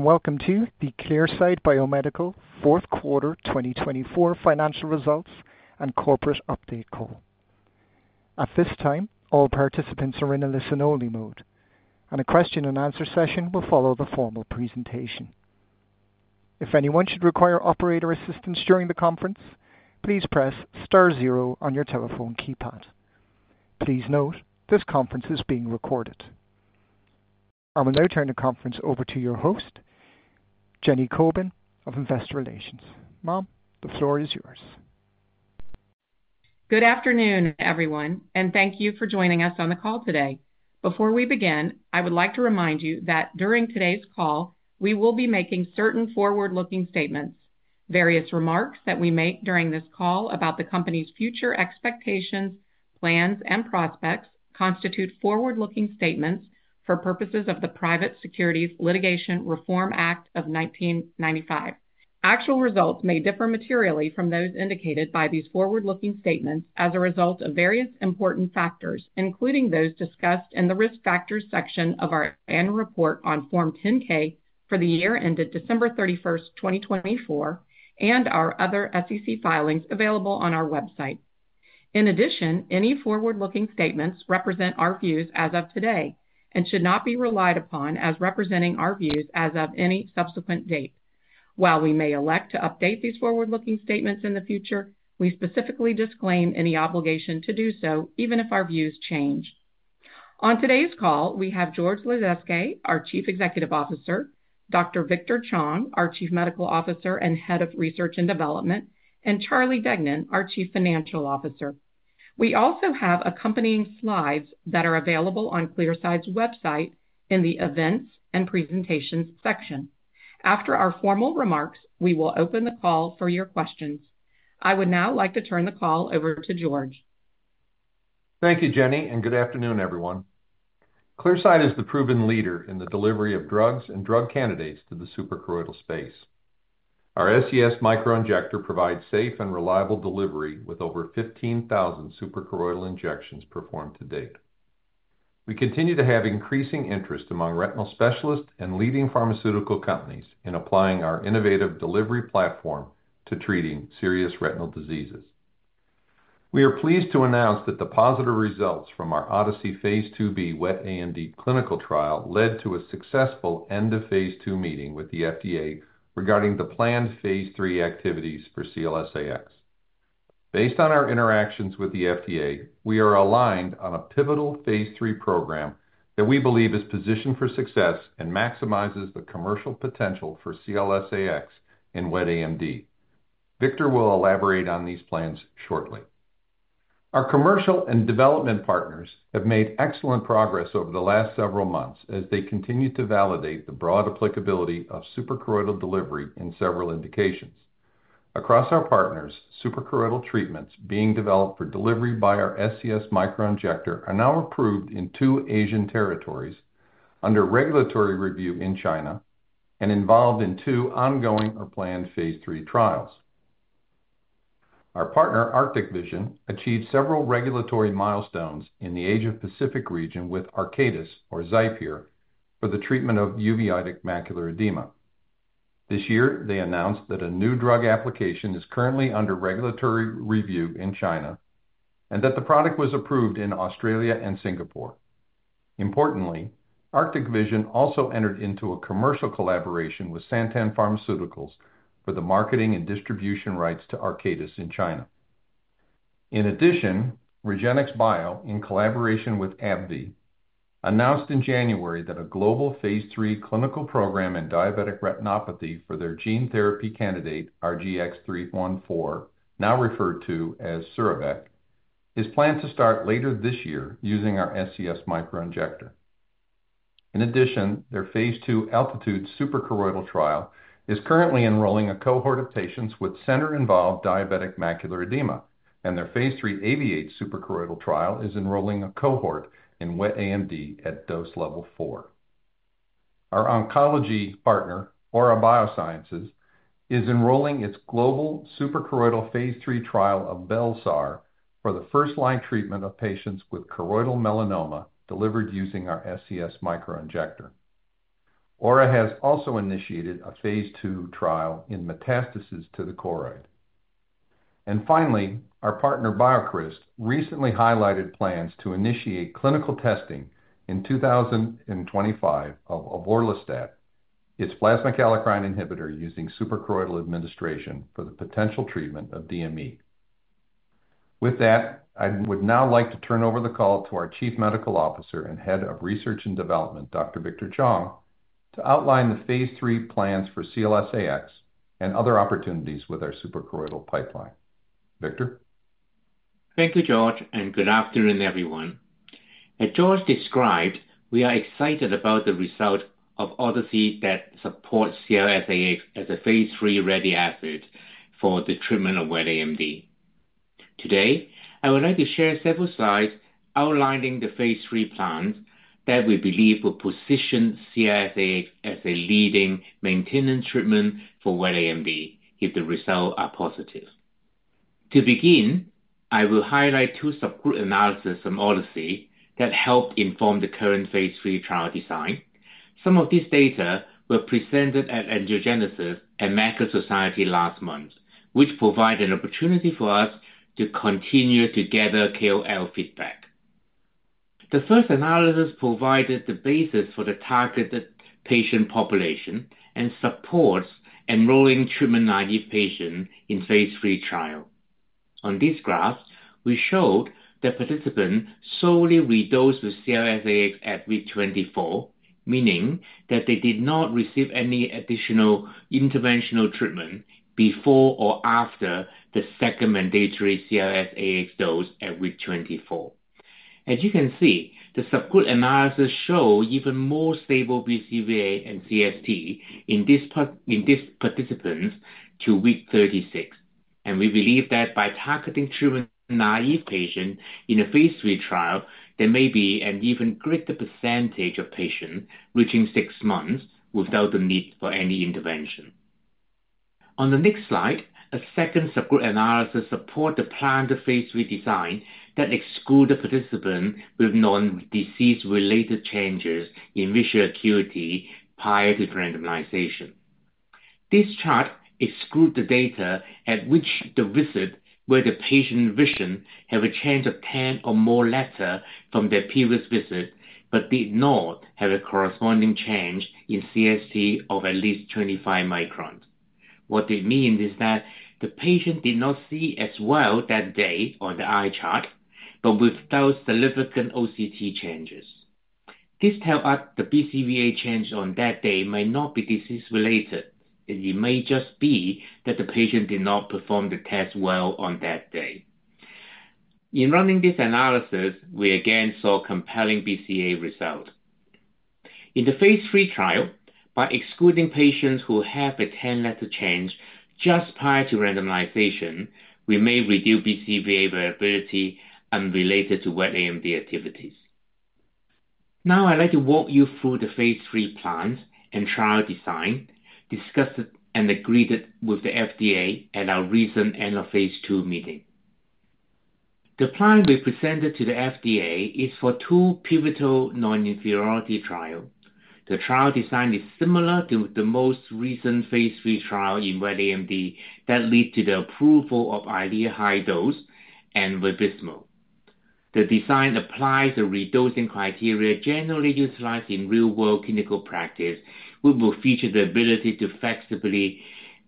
Welcome to the Clearside Biomedical Fourth Quarter 2024 Financial Results and Corporate Update Call. At this time, all participants are in a listen-only mode, and a question and answer session will follow the formal presentation. If anyone should require operator assistance during the conference, please press star zero on your telephone keypad. Please note this conference is being recorded. I will now turn the conference over to your host, Jenny Kobin, of Investor Relations. Jenny, the floor is yours. Good afternoon, everyone, and thank you for joining us on the call today. Before we begin, I would like to remind you that during today's call, we will be making certain forward-looking statements. Various remarks that we make during this call about the company's future expectations, plans, and prospects constitute forward-looking statements for purposes of the Private Securities Litigation Reform Act of 1995. Actual results may differ materially from those indicated by these forward-looking statements as a result of various important factors, including those discussed in the risk factors section of our annual report on Form 10-K for the year ended December 31st, 2024, and our other SEC filings available on our website. In addition, any forward-looking statements represent our views as of today and should not be relied upon as representing our views as of any subsequent date. While we may elect to update these forward-looking statements in the future, we specifically disclaim any obligation to do so, even if our views change. On today's call, we have George Lasezkay, our Chief Executive Officer, Dr. Victor Chong, our Chief Medical Officer and Head of Research and Development, and Charlie Deignan, our Chief Financial Officer. We also have accompanying slides that are available on Clearside's website in the Events and Presentations section. After our formal remarks, we will open the call for your questions. I would now like to turn the call over to George. Thank you, Jenny, and good afternoon, everyone. Clearside is the proven leader in the delivery of drugs and drug candidates to the suprachoroidal space. Our SCS Microinjector provides safe and reliable delivery with over 15,000 suprachoroidal injections performed to date. We continue to have increasing interest among retinal specialists and leading pharmaceutical companies in applying our innovative delivery platform to treating serious retinal diseases. We are pleased to announce that the positive results from our Odyssey phase II-B wet AMD clinical trial led to a successful end-of-phase II meeting with the FDA regarding the planned phase III activities for CLS-AX. Based on our interactions with the FDA, we are aligned on a pivotal phase III program that we believe is positioned for success and maximizes the commercial potential for CLS-AX in wet AMD. Victor will elaborate on these plans shortly. Our commercial and development partners have made excellent progress over the last several months as they continue to validate the broad applicability of suprachoroidal delivery in several indications. Across our partners, suprachoroidal treatments being developed for delivery by our SCS Microinjector are now approved in two Asian territories, under regulatory review in China, and involved in two ongoing or planned phase III trials. Our partner, Arctic Vision, achieved several regulatory milestones in the Asia-Pacific region with Arcatus, or XIPERE, for the treatment of uveitic macular edema. This year, they announced that a new drug application is currently under regulatory review in China and that the product was approved in Australia and Singapore. Importantly, Arctic Vision also entered into a commercial collaboration with Santen Pharmaceuticals for the marketing and distribution rights to Arcatus in China. In addition, REGENXBIO, in collaboration with AbbVie, announced in January that a global phase III clinical program in diabetic retinopathy for their gene therapy candidate, RGX-314, now referred to as Sura-vec, is planned to start later this year using our SCS Microinjector. In addition, their phase II ALTITUDE suprachoroidal trial is currently enrolling a cohort of patients with center-involved diabetic macular edema, and their phase III AAVIATE suprachoroidal trial is enrolling a cohort in wet AMD at dose level four. Our oncology partner, Aura Biosciences, is enrolling its global suprachoroidal phase III trial of bel-sar for the first-line treatment of patients with choroidal melanoma delivered using our SCS Microinjector. Aura has also initiated a phase II trial in metastasis to the choroid. Finally, our partner BioCryst recently highlighted plans to initiate clinical testing in 2025 of avoralstat, its plasma kallikrein inhibitor using suprachoroidal administration for the potential treatment of DME. With that, I would now like to turn over the call to our Chief Medical Officer and Head of Research and Development, Dr. Victor Chong, to outline the phase III plans for CLS-AX and other opportunities with our suprachoroidal pipeline. Victor. Thank you, George, and good afternoon, everyone. As George described, we are excited about the result of Odyssey that supports CLS-AX as a phase III ready asset for the treatment of wet AMD. Today, I would like to share several slides outlining the phase III plans that we believe will position CLS-AX as a leading maintenance treatment for wet AMD if the results are positive. To begin, I will highlight two subgroup analyses from Odyssey that helped inform the current phase III trial design. Some of this data were presented at Angiogenesis and Macula Society last month, which provided an opportunity for us to continue to gather KOL feedback. The first analysis provided the basis for the targeted patient population and supports enrolling treatment-naive patients in phase III trial. On this graph, we showed that participants solely redosed with CLS-AX at week 24, meaning that they did not receive any additional interventional treatment before or after the second mandatory CLS-AX dose at week 24. As you can see, the subgroup analysis showed even more stable BCVA and CST in these participants to week 36. We believe that by targeting treatment-naive patients in a phase III trial, there may be an even greater percentage of patients reaching six months without the need for any intervention. On the next slide, a second subgroup analysis supported the planned phase III design that excluded participants with non-disease-related changes in visual acuity prior to randomization. This chart excluded the data at which the visit where the patient's vision had a change of 10 or more letters from their previous visit but did not have a corresponding change in CST of at least 25 microns. What it means is that the patient did not see as well that day on the eye chart, but with those significant OCT changes. This tells us the BCVA changes on that day may not be disease-related. It may just be that the patient did not perform the test well on that day. In running this analysis, we again saw compelling BCVA results. In the phase III trial, by excluding patients who have a 10-letter change just prior to randomization, we may reduce BCVA variability unrelated to wet AMD activities. Now, I'd like to walk you through the phase III plans and trial design, discussed and agreed with the FDA at our recent end-of-phase II meeting. The plan we presented to the FDA is for two pivotal non-inferiority trials. The trial design is similar to the most recent phase III trial in wet AMD that led to the approval of Eylea high dose and Vabysmo. The design applies the redosing criteria generally utilized in real-world clinical practice, which will feature the ability to flexibly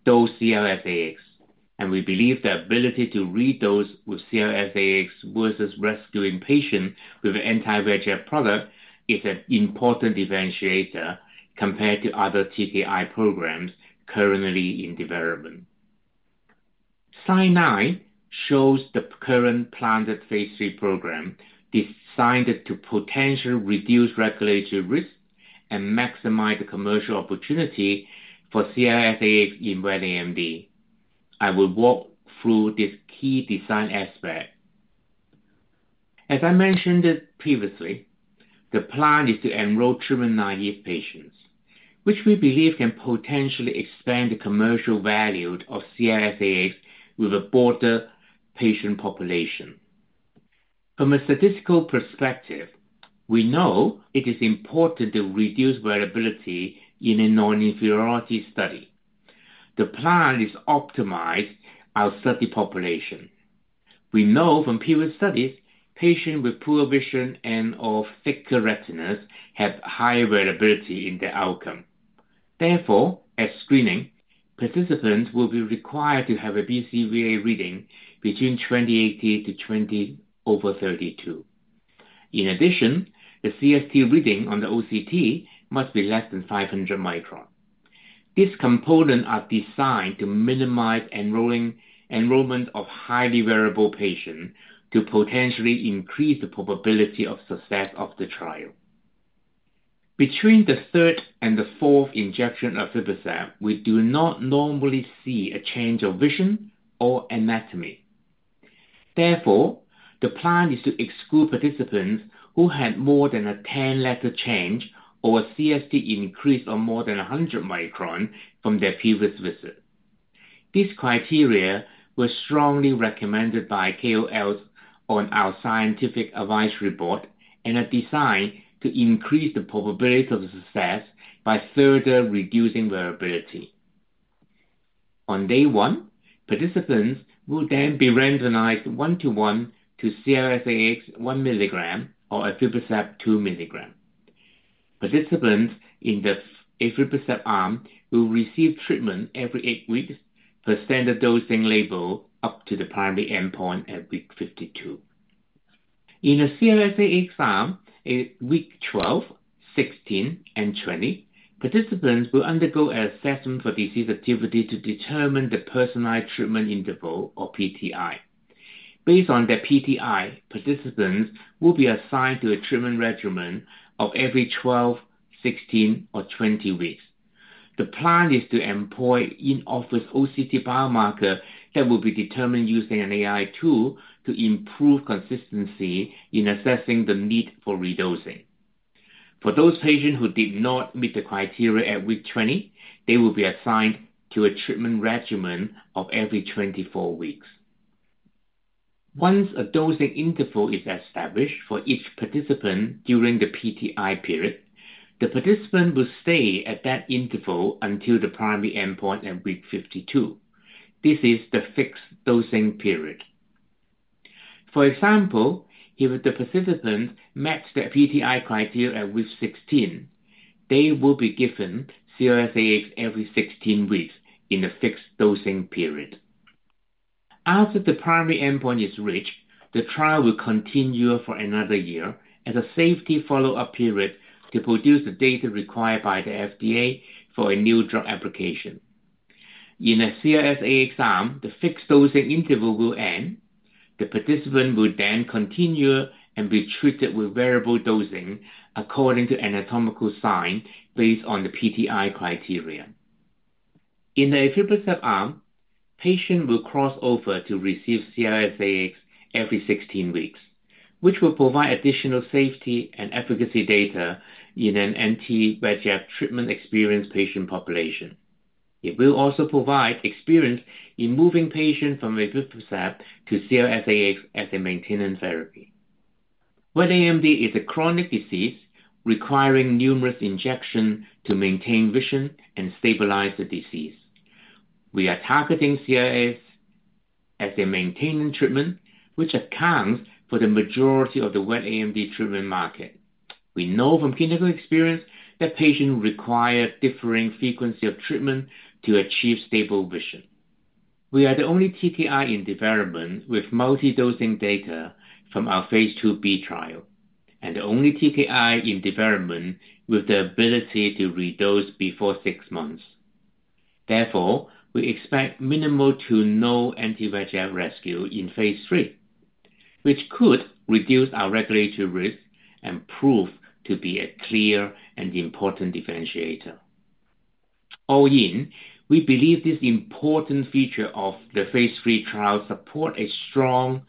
dose CLS-AX. We believe the ability to redose with CLS-AX versus rescuing patients with an anti-VEGF product is an important differentiator compared to other TKI programs currently in development. Slide 9 shows the current planned phase III program designed to potentially reduce regulatory risk and maximize the commercial opportunity for CLS-AX in wet AMD. I will walk through this key design aspect. As I mentioned previously, the plan is to enroll treatment-naive patients, which we believe can potentially expand the commercial value of CLS-AX with a broader patient population. From a statistical perspective, we know it is important to reduce variability in a non-inferiority study. The plan is to optimize our study population. We know from previous studies, patients with poor vision and/or thicker retinas have higher variability in their outcome. Therefore, at screening, participants will be required to have a BCVA reading between 20/80 to 20/32. In addition, the CST reading on the OCT must be less than 500 microns. These components are designed to minimize enrollment of highly variable patients to potentially increase the probability of success of the trial. Between the third and the fourth injection of CLS-AX, we do not normally see a change of vision or anatomy. Therefore, the plan is to exclude participants who had more than a 10-letter change or a CST increase of more than 100 microns from their previous visit. These criteria were strongly recommended by KOLs on our scientific advice report and are designed to increase the probability of success by further reducing variability. On day one, participants will then be randomized one-to-one to CLS-AX 1 mg or aflibercept 2 mg. Participants in the aflibercept arm will receive treatment every eight weeks per standard dosing label up to the primary endpoint at week 52. In a CLS-AX arm, week 12, 16, and 20, participants will undergo an assessment for disease activity to determine the personalized treatment interval, or PTI. Based on their PTI, participants will be assigned to a treatment regimen of every 12, 16, or 20 weeks. The plan is to employ in-office OCT biomarker that will be determined using an AI tool to improve consistency in assessing the need for redosing. For those patients who did not meet the criteria at week 20, they will be assigned to a treatment regimen of every 24 weeks. Once a dosing interval is established for each participant during the PTI period, the participant will stay at that interval until the primary endpoint at week 52. This is the fixed dosing period. For example, if the participant met their PTI criteria at week 16, they will be given CLS-AX every 16 weeks in the fixed dosing period. After the primary endpoint is reached, the trial will continue for another year as a safety follow-up period to produce the data required by the FDA for a new drug application. In a CLS-AX arm, the fixed dosing interval will end. The participant will then continue and be treated with variable dosing according to anatomical signs based on the PTI criteria. In the Eylea arm, patients will cross over to receive CLS-AX every 16 weeks, which will provide additional safety and efficacy data in an anti-VEGF treatment experienced patient population. It will also provide experience in moving patients from Eylea to CLS-AX as a maintenance therapy. Wet AMD is a chronic disease requiring numerous injections to maintain vision and stabilize the disease. We are targeting CLS-AX as a maintenance treatment, which accounts for the majority of the wet AMD treatment market. We know from clinical experience that patients require differing frequency of treatment to achieve stable vision. We are the only TKI in development with multi-dosing data from our phase II-B trial and the only TKI in development with the ability to redose before six months. Therefore, we expect minimal to no anti-VEGF rescue in phase III, which could reduce our regulatory risk and prove to be a clear and important differentiator. All in, we believe this important feature of the phase III trial supports a strong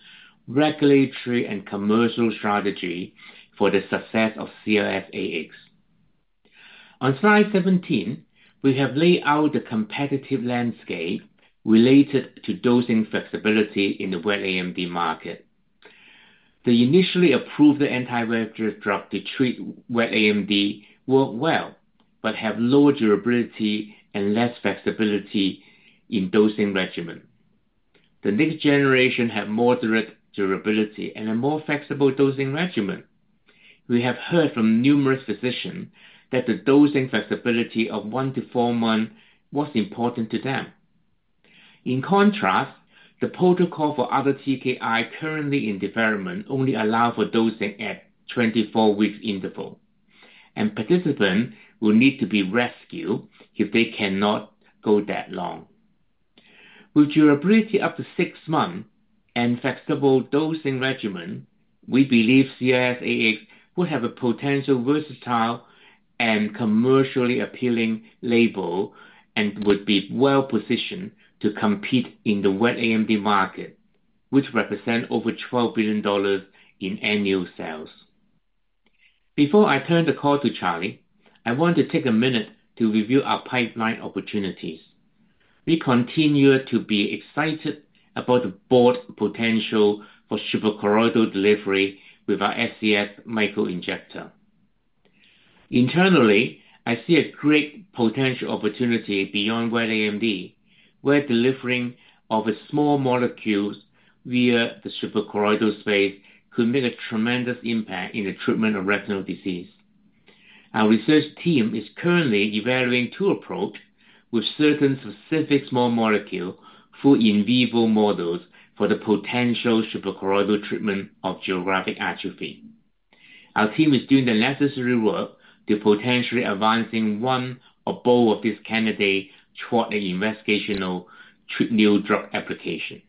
regulatory and commercial strategy for the success of CLS-AX. On slide 17, we have laid out the competitive landscape related to dosing flexibility in the wet AMD market. The initially approved anti-VEGF drugs to treat wet AMD work well but have lower durability and less flexibility in dosing regimen. The next generation has moderate durability and a more flexible dosing regimen. We have heard from numerous physicians that the dosing flexibility of one-to-four-month was important to them. In contrast, the protocol for other TKI currently in development only allows for dosing at 24-week intervals, and participants will need to be rescued if they cannot go that long. With durability up to six months and flexible dosing regimen, we believe CLS-AX will have a potential versatile and commercially appealing label and would be well-positioned to compete in the wet AMD market, which represents over $12 billion in annual sales. Before I turn the call to Charlie, I want to take a minute to review our pipeline opportunities. We continue to be excited about the broad potential for suprachoroidal delivery with our SCS Microinjector. Internally, I see a great potential opportunity beyond wet AMD, where delivering of small molecules via the suprachoroidal space could make a tremendous impact in the treatment of retinal disease. Our research team is currently evaluating two approaches with certain specific small molecules for in vivo models for the potential suprachoroidal treatment of geographic atrophy. Our team is doing the necessary work to potentially advance one or both of these candidates toward an investigational treatment drug application.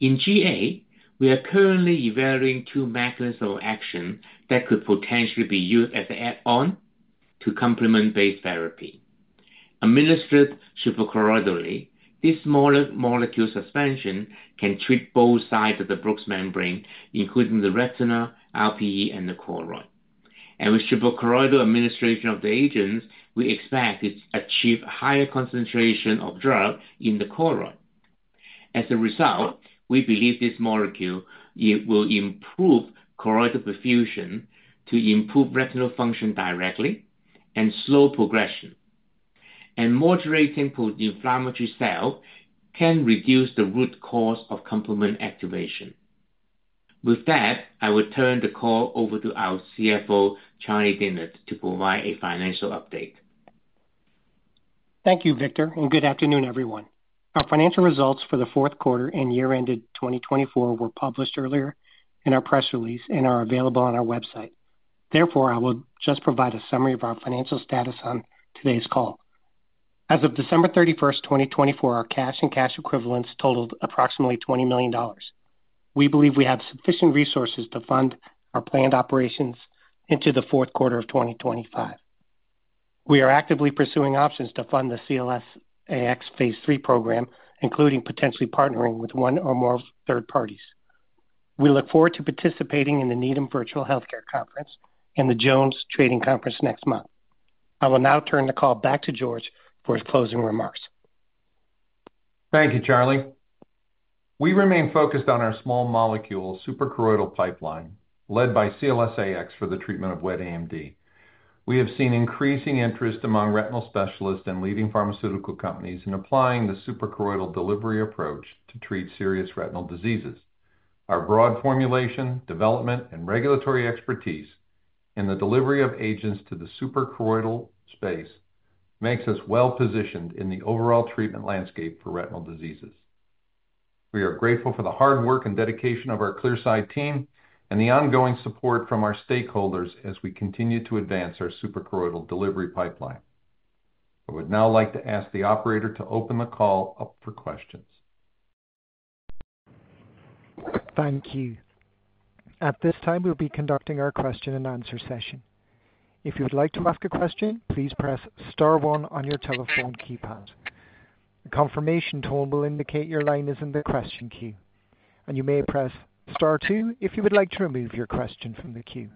In GA, we are currently evaluating two mechanisms of action that could potentially be used as an add-on to complement-based therapy. Administered suprachoroidally, this smaller molecule suspension can treat both sides of the Bruch's membrane, including the retina, RPE, and the choroid. With suprachoroidal administration of the agents, we expect to achieve a higher concentration of drug in the choroid. As a result, we believe this molecule will improve choroidal perfusion to improve retinal function directly and slow progression. Moderating post-inflammatory cells can reduce the root cause of complement activation. With that, I will turn the call over to our CFO, Charlie Deignan, to provide a financial update. Thank you, Victor, and good afternoon, everyone. Our financial results for the fourth quarter and year ended 2024 were published earlier in our press release and are available on our website. Therefore, I will just provide a summary of our financial status on today's call. As of December 31st, 2024, our cash and cash equivalents totaled approximately $20 million. We believe we have sufficient resources to fund our planned operations into the fourth quarter of 2025. We are actively pursuing options to fund the CLS-AX phase III program, including potentially partnering with one or more third parties. We look forward to participating in the Needham Virtual Healthcare Conference and the JonesTrading Conference next month. I will now turn the call back to George for his closing remarks. Thank you, Charlie. We remain focused on our small molecule suprachoroidal pipeline led by CLS-AX for the treatment of wet AMD. We have seen increasing interest among retinal specialists and leading pharmaceutical companies in applying the suprachoroidal delivery approach to treat serious retinal diseases. Our broad formulation, development, and regulatory expertise in the delivery of agents to the suprachoroidal space makes us well-positioned in the overall treatment landscape for retinal diseases. We are grateful for the hard work and dedication of our Clearside team and the ongoing support from our stakeholders as we continue to advance our suprachoroidal delivery pipeline. I would now like to ask the operator to open the call up for questions. Thank you. At this time, we'll be conducting our question and answer session. If you would like to ask a question, please press star one on your telephone keypad. A confirmation tone will indicate your line is in the question queue, and you may press star two if you would like to remove your question from the queue.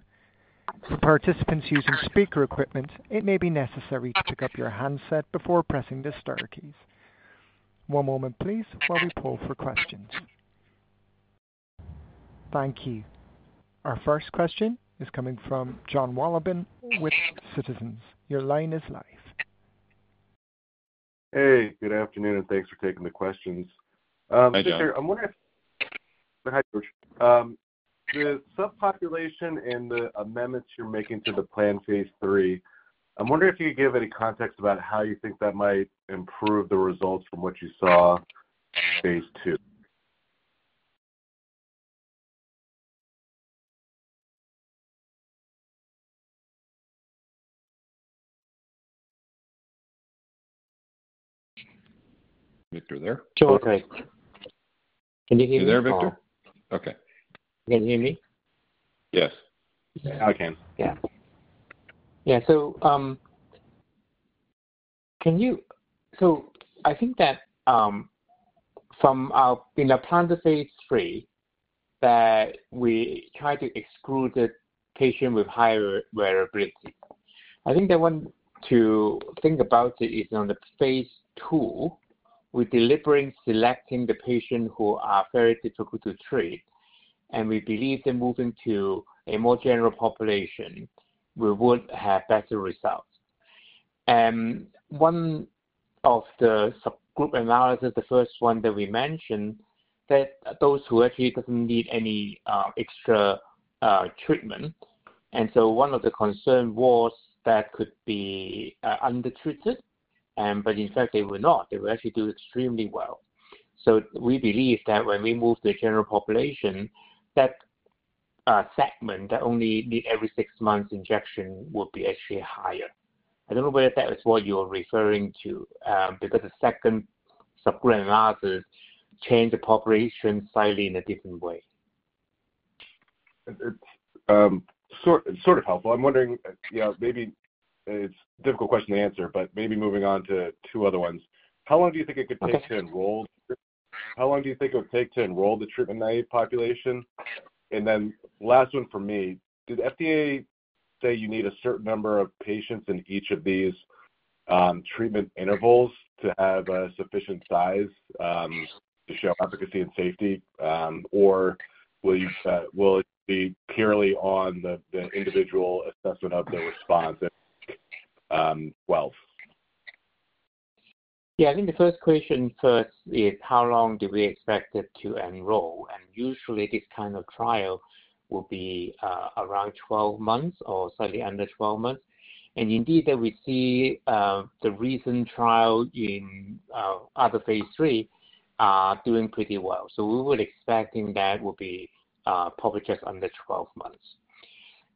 For participants using speaker equipment, it may be necessary to pick up your handset before pressing the star keys. One moment, please, while we pull for questions. Thank you. Our first question is coming from Jon Wolleben with Citizens. Your line is live. Hey, good afternoon, and thanks for taking the questions. I'm wondering if—Hi, George. The subpopulation and the amendments you're making to the planned phase III, I'm wondering if you could give any context about how you think that might improve the results from what you saw in phase II. Victor, there? Sure. Can you hear me? You there, Victor? Okay. Can you hear me? Yes. I can. Yeah. Yeah. I think that in the plan for phase III, we tried to exclude the patient with higher variability. I think that one to think about it is on the phase II, we're deliberately selecting the patients who are very difficult to treat, and we believe that moving to a more general population, we would have better results. In one of the subgroup analyses, the first one that we mentioned, that those who actually don't need any extra treatment. One of the concerns was that could be undertreated, but in fact, they were not. They were actually doing extremely well. We believe that when we move to the general population, that segment that only needs every six months injection would be actually higher. I don't know whether that is what you're referring to because the second subgroup analysis changed the population slightly in a different way. Sort of helpful. I'm wondering, maybe it's a difficult question to answer, but maybe moving on to two other ones. How long do you think it could take to enroll? How long do you think it would take to enroll the treatment-naive population? Last one for me, did FDA say you need a certain number of patients in each of these treatment intervals to have a sufficient size to show efficacy and safety, or will it be purely on the individual assessment of the response and wealth? Yeah, I think the first question for us is how long do we expect it to enroll? Usually, this kind of trial will be around 12 months or slightly under 12 months. Indeed, we see the recent trial in other phase III doing pretty well. We would expect that would be probably just under 12 months.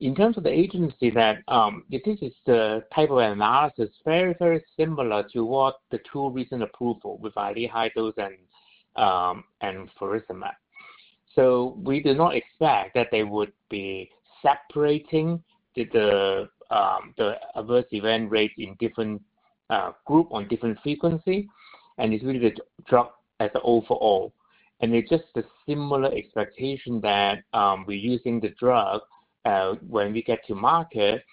In terms of the agency, this is the type of analysis very, very similar to what the two recent approvals with Eylea high dose and faricimab. We do not expect that they would be separating the adverse event rates in different groups on different frequencies, and it is really the drug as an overall. It is just a similar expectation that using the drug when we get to market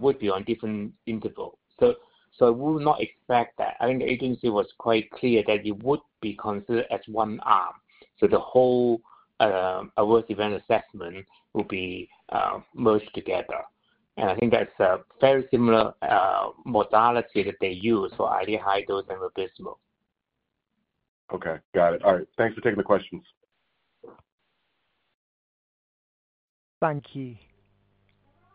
would be on different intervals. I would not expect that. I think the agency was quite clear that it would be considered as one arm. The whole adverse event assessment would be merged together. I think that is a very similar modality that they use for Eylea high dose and faricimab. Okay. Got it. All right. Thanks for taking the questions. Thank you.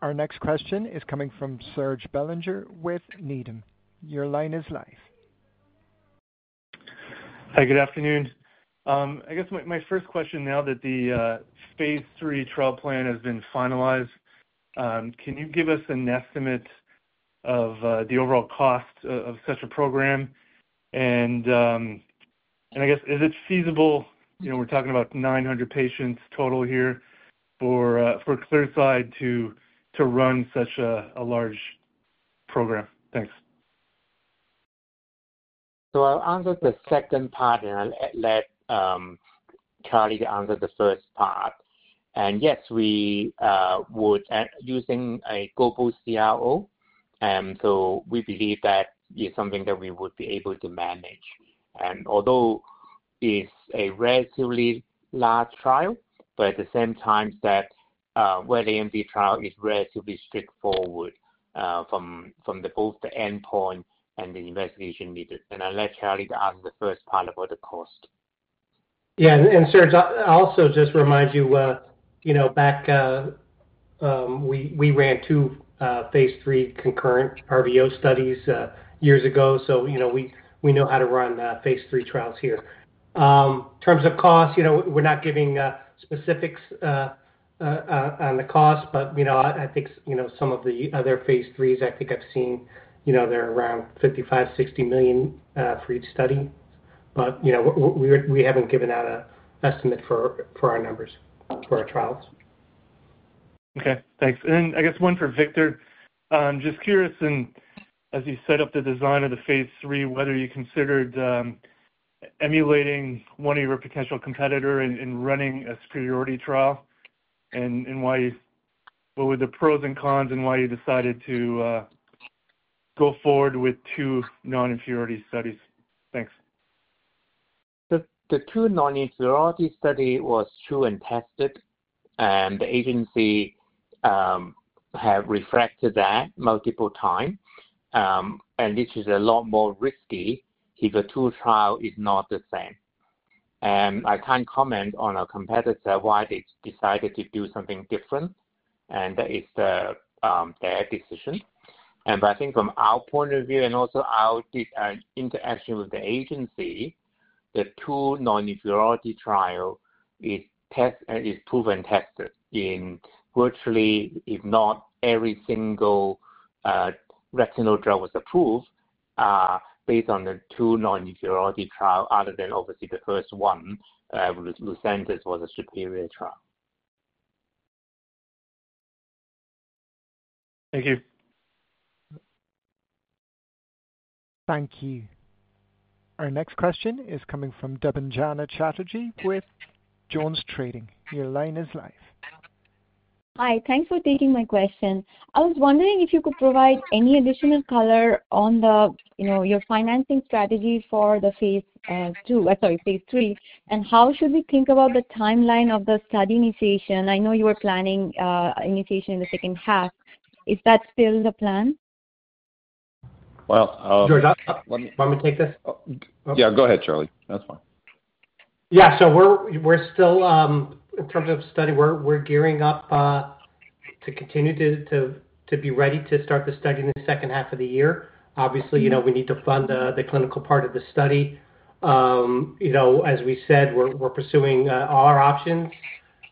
Our next question is coming from Serge Belanger with Needham. Your line is live. Hi, good afternoon. I guess my first question now that the phase III trial plan has been finalized, can you give us an estimate of the overall cost of such a program? I guess, is it feasible? We're talking about 900 patients total here for Clearside to run such a large program. Thanks. I'll answer the second part, and I'll let Charlie answer the first part. Yes, we would, using a global CRO. We believe that it's something that we would be able to manage. Although it's a relatively large trial, at the same time, that wet AMD trial is relatively straightforward from both the endpoint and the investigation needed. I'll let Charlie answer the first part about the cost. Yeah. Serge, I'll also just remind you, back we ran two phase III concurrent RVO studies years ago, so we know how to run phase III trials here. In terms of cost, we're not giving specifics on the cost, but I think some of the other phase IIIs, I think I've seen they're around $55 million-$60 million for each study. We haven't given out an estimate for our numbers for our trials. Okay. Thanks. I guess one for Victor. Just curious, and as you set up the design of the phase III, whether you considered emulating one of your potential competitors and running a superiority trial and what were the pros and cons and why you decided to go forward with two non-inferiority studies? Thanks. The two non-inferiority studies were true and tested, and the agency has reflected that multiple times. This is a lot more risky if the two trials are not the same. I can't comment on a competitor, why they decided to do something different. That is their decision. I think from our point of view and also our interaction with the agency, the two non-inferiority trials are proven and tested. Virtually, if not every single retinal drug was approved based on the two non-inferiority trials, other than obviously the first one. Lucentis was a superior trial. Thank you. Thank you. Our next question is coming from Debanjana Chatterjee with JonesTrading. Your line is live. Hi. Thanks for taking my question. I was wondering if you could provide any additional color on your financing strategy for phase II, phase III, and how should we think about the timeline of the study initiation? I know you were planning initiation in the second half. Is that still the plan? George, let me take this. Yeah. Go ahead, Charlie. That's fine. Yeah. So we're still, in terms of study, we're gearing up to continue to be ready to start the study in the second half of the year. Obviously, we need to fund the clinical part of the study. As we said, we're pursuing all our options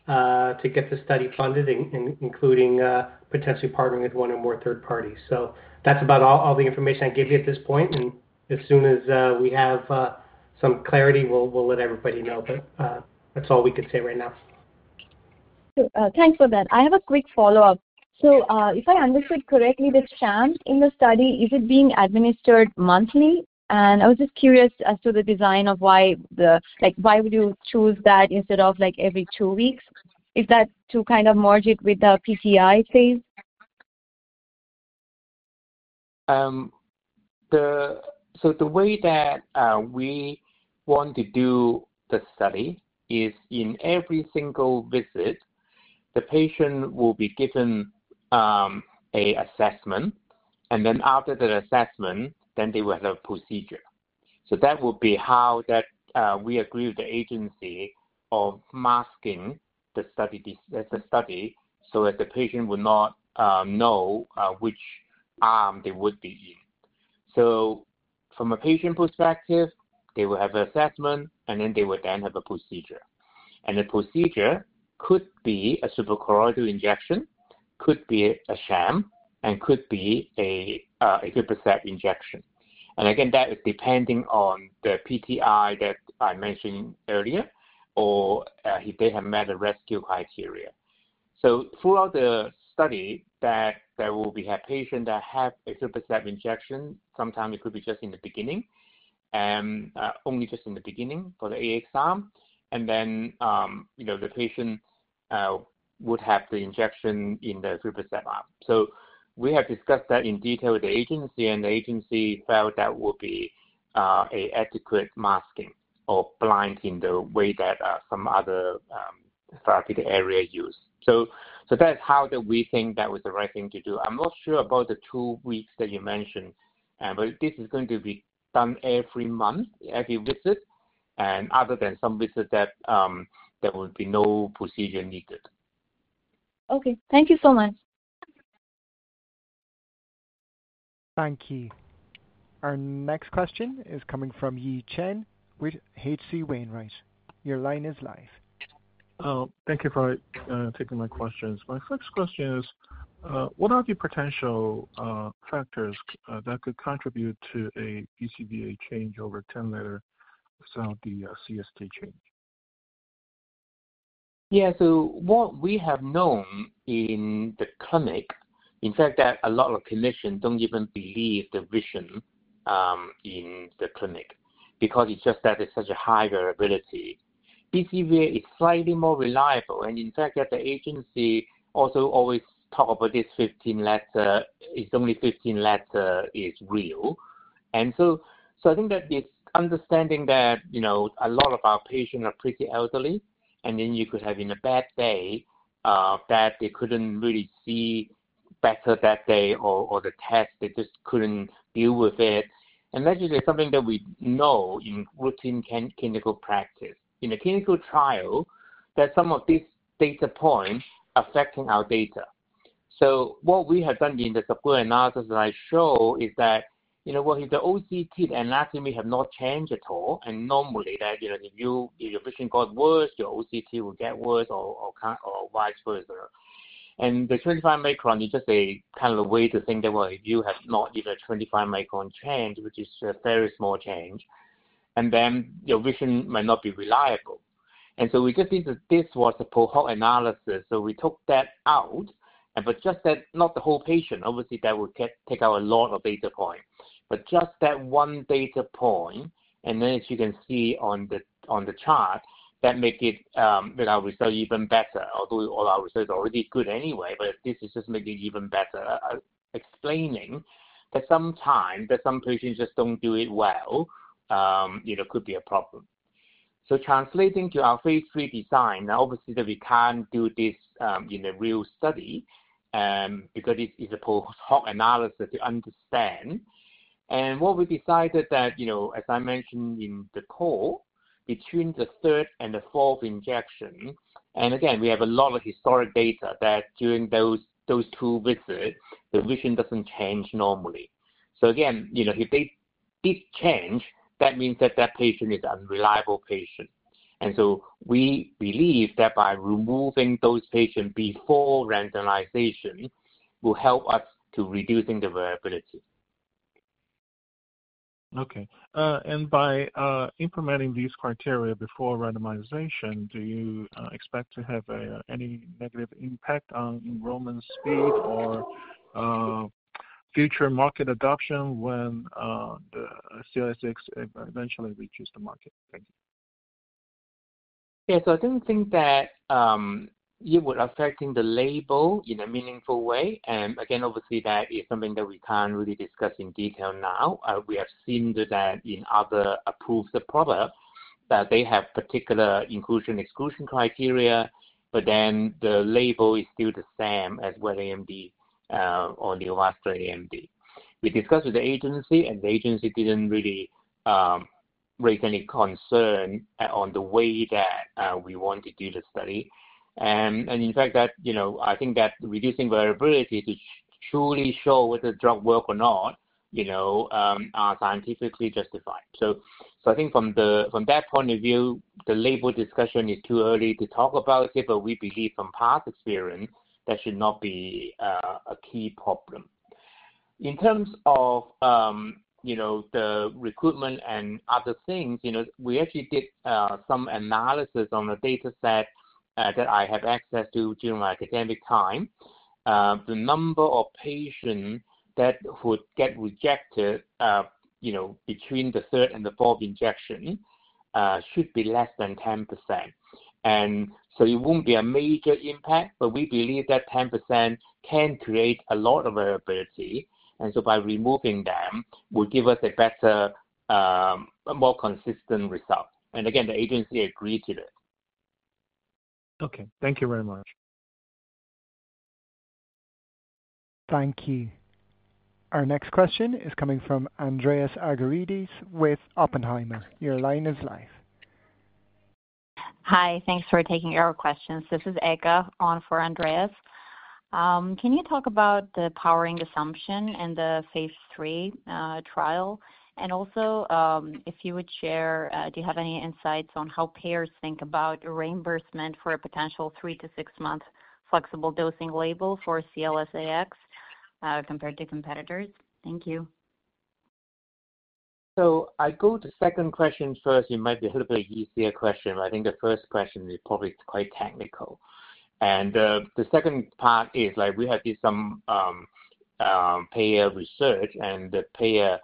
to get the study funded, including potentially partnering with one or more third parties. That's about all the information I can give you at this point. As soon as we have some clarity, we'll let everybody know. That's all we can say right now. Thanks for that. I have a quick follow-up. If I understood correctly, the sham in the study is being administered monthly. I was just curious as to the design of why would you choose that instead of every two weeks. Is that to kind of merge it with the PTI phase? The way that we want to do the study is in every single visit, the patient will be given an assessment. After the assessment, they will have a procedure. That would be how we agree with the agency on masking the study so that the patient will not know which arm they would be in. From a patient perspective, they will have an assessment, and then they will have a procedure. The procedure could be a suprachoroidal injection, could be a sham, and could be a aflibercept injection. Again, that is depending on the PTI that I mentioned earlier or if they have met the rescue criteria. Throughout the study, there will be a patient that has a aflibercept injection. Sometimes it could be just in the beginning, only just in the beginning for the AXR. Then the patient would have the injection in the aflibercept arm. We have discussed that in detail with the agency, and the agency felt that would be an adequate masking or blinding in the way that some other therapeutic areas use. That is how we think that was the right thing to do. I'm not sure about the two weeks that you mentioned, but this is going to be done every month, every visit, other than some visits that there would be no procedure needed. Okay. Thank you so much. Thank you. Our next question is coming from Yi Chen with H.C. Wainwright. Your line is live. Thank you for taking my questions. My first question is, what are the potential factors that could contribute to a BCVA change over a 10-letter without the CST change? Yeah. What we have known in the clinic, in fact, is that a lot of clinicians do not even believe the vision in the clinic because it is just that it is such a high variability. BCVA is slightly more reliable. In fact, the agency also always talks about this 15-letter; it is only 15-letter is real. I think that this understanding that a lot of our patients are pretty elderly, and then you could have a bad day that they could not really see better that day or the test. They just could not deal with it. That is something that we know in routine clinical practice. In a clinical trial, there are some of these data points affecting our data. What we have done in the subgroup analysis that I show is that, if the OCT anatomy has not changed at all, and normally, if your vision got worse, your OCT will get worse or vice versa. The 25-micron is just a kind of way to think that, if you have not even a 25-micron change, which is a very small change, then your vision might not be reliable. We just think that this was a post-hoc analysis. We took that out, but just that, not the whole patient. Obviously, that would take out a lot of data points. Just that one data point, and then as you can see on the chart, that makes our result even better, although all our results are already good anyway, but this is just making it even better, explaining that sometimes some patients just don't do it well; it could be a problem. Translating to our phase III design, obviously, we can't do this in a real study because it's a post-hoc analysis to understand. What we decided is that, as I mentioned in the call, between the third and the fourth injection, and again, we have a lot of historic data that during those two visits, the vision doesn't change normally. Again, if this changes, that means that that patient is an unreliable patient. We believe that by removing those patients before randomization will help us to reduce the variability. Okay. By implementing these criteria before randomization, do you expect to have any negative impact on enrollment speed or future market adoption when the CLS-AX eventually reaches the market? Thank you. Yeah. I do not think that it would affect the label in a meaningful way. Again, obviously, that is something that we cannot really discuss in detail now. We have seen that in other approved products that they have particular inclusion/exclusion criteria, but then the label is still the same as wet AMD or neovascular AMD. We discussed with the agency, and the agency did not really raise any concern on the way that we want to do the study. In fact, I think that reducing variability to truly show whether the drug works or not is scientifically justified. I think from that point of view, the label discussion is too early to talk about it, but we believe from past experience that should not be a key problem. In terms of the recruitment and other things, we actually did some analysis on a dataset that I have access to during my academic time. The number of patients that would get rejected between the third and the fourth injection should be less than 10%. It will not be a major impact, but we believe that 10% can create a lot of variability. By removing them, it would give us a better, more consistent result. Again, the agency agreed to that. Okay. Thank you very much. Thank you. Our next question is coming from Andreas Argyrides with Oppenheimer. Your line is live. Hi. Thanks for taking our questions. This is Eka on for Andreas. Can you talk about the powering assumption and the phase III trial? And also, if you would share, do you have any insights on how payers think about reimbursement for a potential three to six-month flexible dosing label for CLS-AX compared to competitors? Thank you. I go to the second question first. It might be a little bit easier question. I think the first question is probably quite technical. The second part is we have done some payer research, and the payer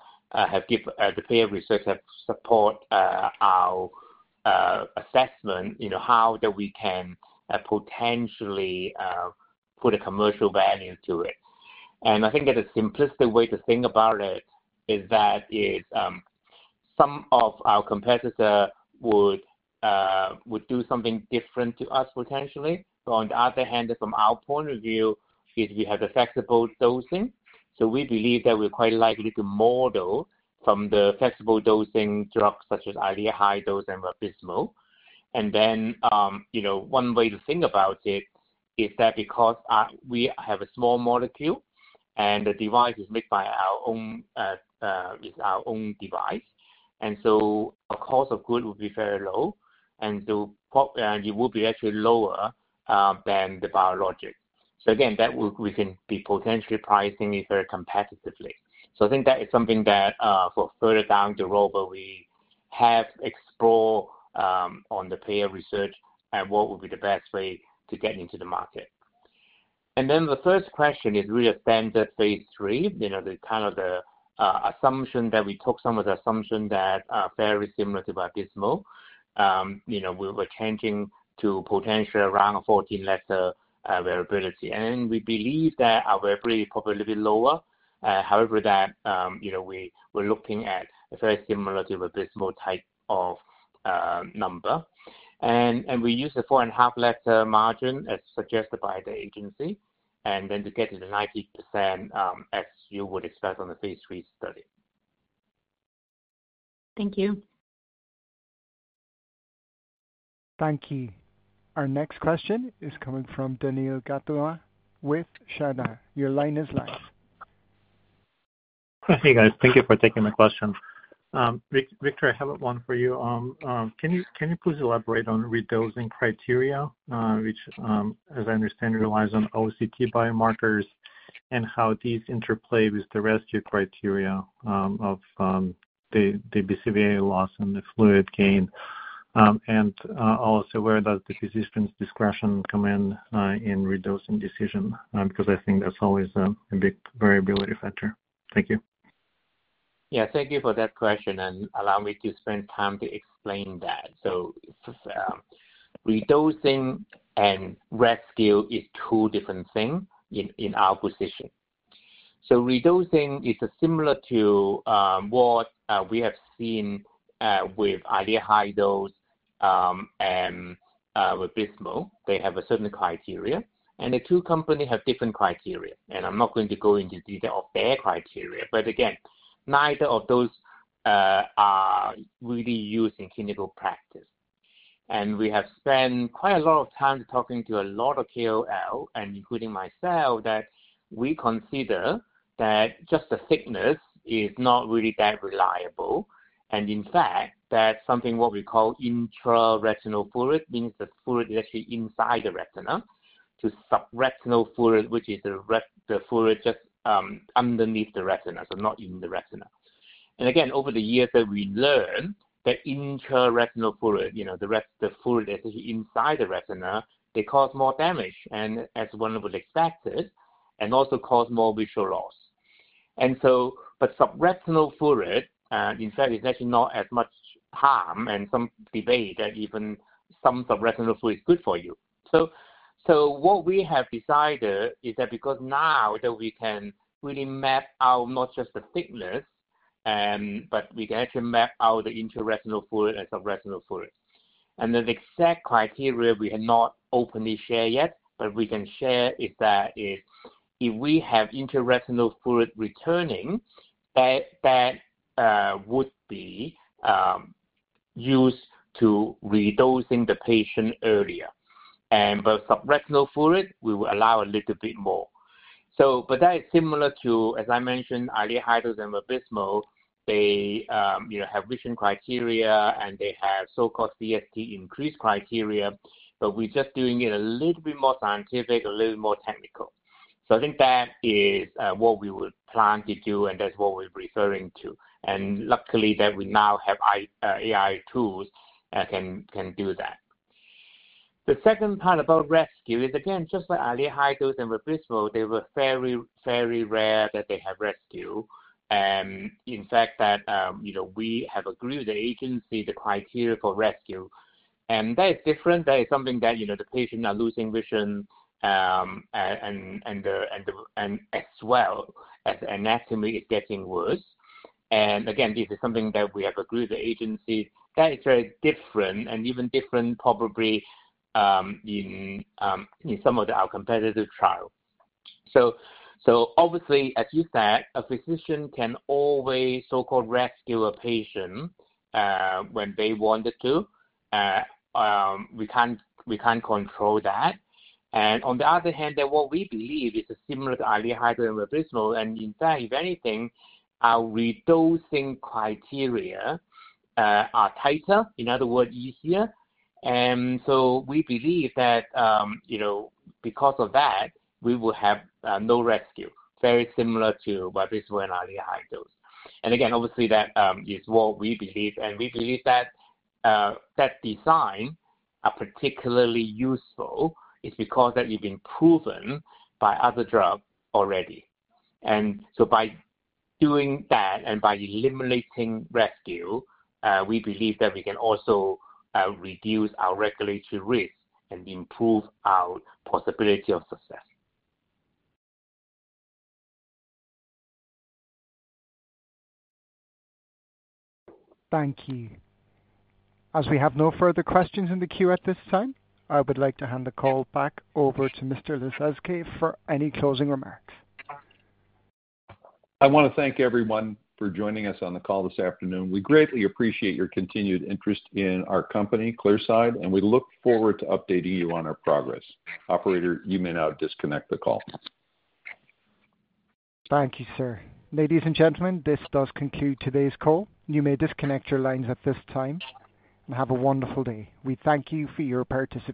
research has supported our assessment, how that we can potentially put a commercial value to it. I think that the simplest way to think about it is that some of our competitors would do something different to us potentially. On the other hand, from our point of view, is we have the flexible dosing. We believe that we're quite likely to model from the flexible dosing drugs such as Eylea high dose and Vabysmo. One way to think about it is that because we have a small molecule and the device is made by our own device, our cost of goods will be very low. It will be actually lower than the biologic, so we can be potentially pricing it very competitively. I think that is something that for further down the road, we have explored on the payer research and what would be the best way to get into the market. The first question is really a standard phase III, kind of the assumption that we took some of the assumptions that are very similar to Vabysmo. We were changing to potentially around a 14-letter variability. We believe that our variability is probably a little bit lower. However, we're looking at a very similar to Vabysmo type of number. We use the four-and-a-half-letter margin as suggested by the agency. To get to the 90%, as you would expect on the phase III study. Thank you. Thank you. Our next question is coming from Daniil Gataulin with Chardan. Your line is live. Hey, guys. Thank you for taking my question. Victor, I have one for you. Can you please elaborate on redosing criteria, which, as I understand, relies on OCT biomarkers and how these interplay with the rescue criteria of the BCVA loss and the fluid gain? Also, where does the physician's discretion come in in redosing decision? Because I think that's always a big variability factor. Thank you. Yeah.Thank you for that question and allowing me to spend time to explain that. Redosing and rescue is two different things in our position. Redosing is similar to what we have seen with Eylea high dose and Vabysmo. They have a certain criteria, and the two companies have different criteria. I'm not going to go into detail of their criteria. Again, neither of those are really used in clinical practice. We have spent quite a lot of time talking to a lot of KOL, including mys elf, that we consider that just the thickness is not really that reliable. In fact, that's something what we call intraretinal fluid, meaning the fluid is actually inside the retina to subretinal fluid, which is the fluid just underneath the retina, so not in the retina. Over the years that we learned that intraretinal fluid, the fluid is actually inside the retina, they cause more damage, as one would expect it, and also cause more visual loss. Subretinal fluid, in fact, is actually not as much harm, and some debate that even some subretinal fluid is good for you. What we have decided is that because now that we can really map out not just the thickness, but we can actually map out the intraretinal fluid and subretinal fluid. The exact criteria we have not openly shared yet, but we can share is that if we have intraretinal fluid returning, that would be used to redosing the patient earlier. For subretinal fluid, we will allow a little bit more. That is similar to, as I mentioned, Eylea high dose and Vabysmo. They have vision criteria, and they have so-called CST increase criteria, but we're just doing it a little bit more scientific, a little bit more technical. I think that is what we would plan to do, and that's what we're referring to. Luckily, we now have AI tools that can do that. The second part about rescue is, again, just like Eylea high dose and Vabysmo, they were very, very rare that they have rescue. In fact, we have agreed with the agency the criteria for rescue. That is different. That is something that the patient is losing vision as well as anatomy is getting worse. Again, this is something that we have agreed with the agency. That is very different and even different probably in some of our competitive trials. Obviously, as you said, a physician can always so-called rescue a patient when they wanted to. We can't control that. On the other hand, what we believe is similar to Eylea high dose and Vabysmo. In fact, if anything, our redosing criteria are tighter, in other words, easier. We believe that because of that, we will have no rescue, very similar to Vabysmo and Eylea high dose. That is what we believe. We believe that that design is particularly useful because it has been proven by other drugs already. By doing that and by eliminating rescue, we believe that we can also reduce our regulatory risk and improve our possibility of success. Thank you. As we have no further questions in the queue at this time, I would like to hand the call back over to Mr. Lasezkay for any closing remarks. I want to thank everyone for joining us on the call this afternoon. We greatly appreciate your continued interest in our company, Clearside, and we look forward to updating you on our progress. Operator, you may now disconnect the call. Thank you, sir. Ladies and gentlemen, this does conclude today's call. You may disconnect your lines at this time and have a wonderful day. We thank you for your participation.